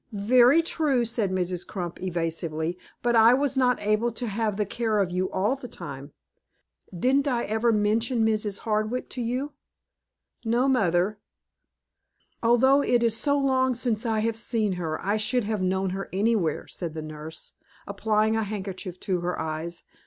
"Very true," said Mrs. Crump, evasively, "but I was not able to have the care of you all the time. Didn't I ever mention Mrs. Hardwick to you?" "No, mother." "Although it is so long since I have seen her, I should have known her anywhere," said the nurse, applying a handkerchief to her eyes.